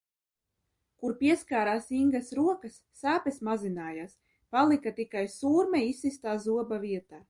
Kur pieskārās Ingas rokas sāpes mazinājās, palika tikai sūrme izsistā zoba vietā.